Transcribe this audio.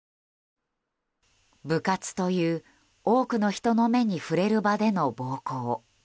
部活という多くの人の目に触れる場での暴行。